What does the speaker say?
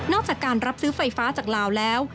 จากการรับซื้อไฟฟ้าจากลาวแล้ว